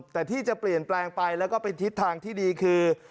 แต่ที่จะเปลี่ยนแปลงไปแล้วก็เป็นทิศทางที่ดีคือ